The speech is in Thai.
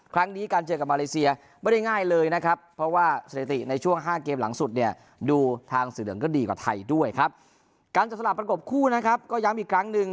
การจับสลับประกบคู่นะครับก็ย้ำอีกครั้งนึง